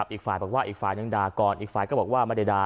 อีกฝ่ายบอกว่าอีกฝ่ายนึงด่าก่อนอีกฝ่ายก็บอกว่าไม่ได้ด่า